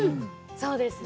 そうですね。